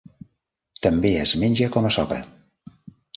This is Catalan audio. També es menja com a sopa.